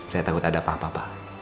saya takut ada apa apa